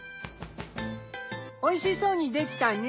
おいしそうにできたね！